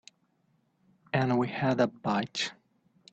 And we had a bite.